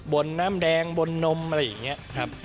บนน้ำแดงบนนมอะไรอย่างนี้ครับ